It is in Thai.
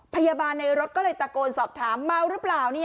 พยาบาลในรถก็เลยตะโกนสอบถามเมาหรือเปล่า